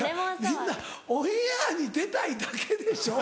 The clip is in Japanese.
みんなオンエアに出たいだけでしょ？